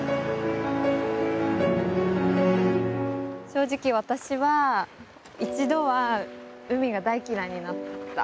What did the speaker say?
正直私は一度は海が大嫌いになった。